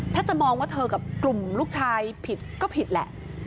ถ้าจะมองว่าเธอกับกลุ่มลูกชายผิดก็ผิดแหละ